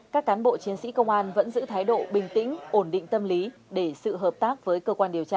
các cán bộ chiến sĩ công an vẫn giữ thái độ bình tĩnh ổn định tâm lý để sự hợp tác với cơ quan điều tra